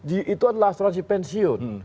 itu adalah asuransi pensiun